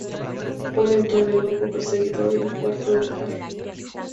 Pol entró en el grupo perseguidor en cuarto lugar.